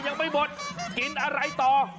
ยังไม่หมดกินอะไรต่อ